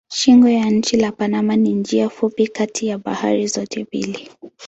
Shingo ya nchi la Panama ni njia fupi kati ya bahari zote mbili.